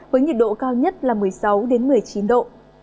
với nhiệt độ cao nhất là một mươi sáu một mươi chín độ